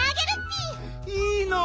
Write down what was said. いいの？